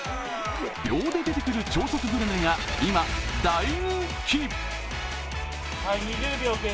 秒で出てくる超速グルメが今、大人気。